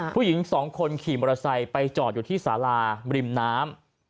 ผู้หญิงสองคนขี่มอเตอร์ไซค์ไปจอดอยู่ที่สาราริมน้ำ